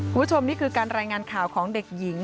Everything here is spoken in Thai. คุณผู้ชมนี่คือการรายงานข่าวของเด็กหญิง